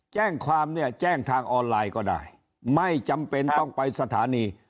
แจ้งความเนี่ยแจ้งทางออนไลน์ก็ได้ไม่จำเป็นต้องไปสถานี